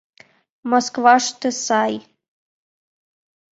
Москваште сай.